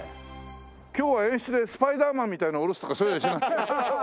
今日は演出でスパイダーマンみたいなの下ろすとかそういうのしない？